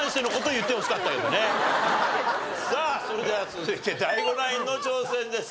さあそれでは続いてＤＡＩＧＯナインの挑戦です。